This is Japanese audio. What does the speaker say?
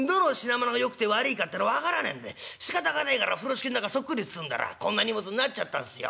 しかたがねえから風呂敷ん中そっくり包んだらこんな荷物になっちゃったんすよ」。